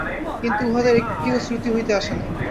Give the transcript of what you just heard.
কিন্তু উহাদের একটিও শ্রুতি হইতে আসে নাই।